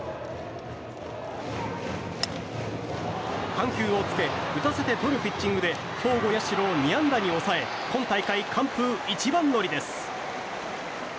緩急をつけ打たせてとるピッチングで兵庫・社を２安打に抑え今大会完封一番乗りです。